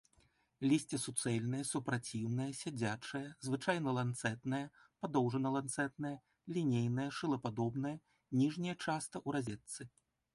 Лісце суцэльнае, супраціўнае, сядзячае, звычайна ланцэтнае, падоўжана-ланцэтнае, лінейнае, шылападобнае, ніжняе часта ў разетцы.